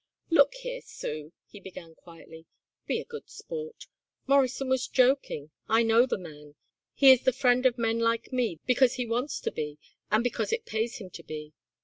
"Look here, Sue," he began quietly, "be a good sport. Morrison was joking. I know the man. He is the friend of men like me because he wants to be and because it pays him to be.